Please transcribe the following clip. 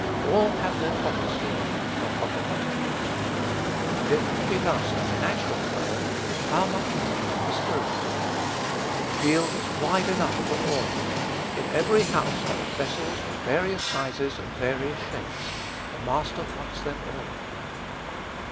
All have their proper sphere, their proper functions. And if it be thus in the natural world, how much more in the spiritual. The field is wide enough for all. In every house there are vessels of various sizes and various shapes. The master wants them all.